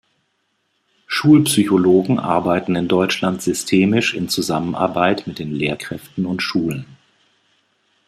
Schulpsychologen arbeiten in Deutschland systemisch in Zusammenarbeit mit den Lehrkräften und Schulen.